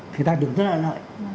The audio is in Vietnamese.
thì ta tưởng rất là lợi